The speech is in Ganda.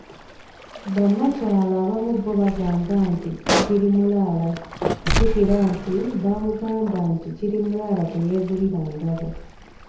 Ba nnakyala abamu bo bagamba nti "Kirimulaala", jjukira nti baamugamba nti, kirimulaala teyeegulira ngabo.